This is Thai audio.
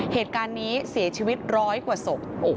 เหตุการณ์นี้เสียชีวิตร้อยกว่าศพ